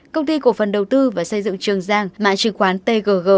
công ty cổ phần đầu tư và xây dựng trường giang mạng trường khoán tgg